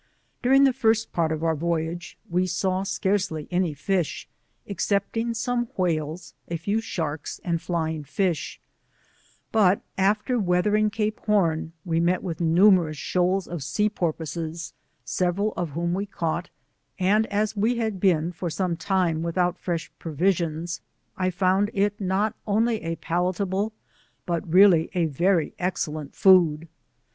During the first part of oar voyage we saw scarcely any fish, excepting some whales, a few 19 •harks, and flying fish ; but after weathering Cape Horn ue met with numerous shoals of sea por poises, several of whom we caught, and as we had been for some time without fresh provisions, I found it not only a palatable but really a very excellent food.